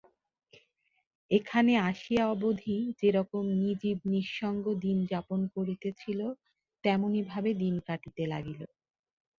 এখানে আসিয়া অবধি যেরকম নিজীব নিঃসঙ্গ জীবন যাপন করিতেছিল তেমনিভাবে দিন কাটিতে লাগিল।